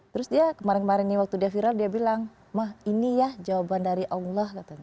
terus dia kemarin kemarin nih waktu dia viral dia bilang mah ini ya jawaban dari allah katanya